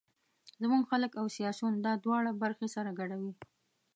زموږ خلک او سیاسون دا دواړه برخې سره ګډوي.